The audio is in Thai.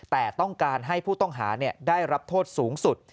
แต่ต้องการให้ผู้ต้องหาได้รับโทษสูงสุด